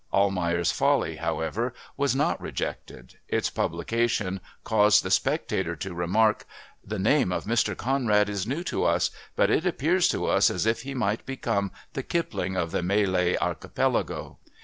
Almayer's Folly, however, was not rejected; its publication caused The Spectator to remark: "The name of Mr Conrad is new to us, but it appears to us as if he might become the Kipling of the Malay Archipelago."